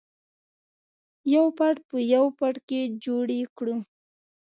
یو فټ په یو فټ کې جوړې کړو.